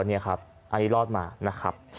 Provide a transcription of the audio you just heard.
อันนี้รอดมานะครับ